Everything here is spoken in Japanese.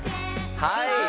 はい！